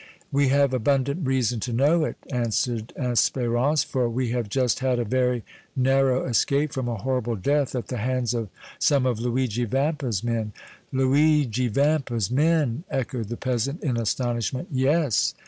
"We have abundant reason to know it," answered Espérance, "for we have just had a very narrow escape from a horrible death at the hands of some of Luigi Vampa's men." "Luigi Vampa's men!" echoed the peasant, in astonishment. "Yes."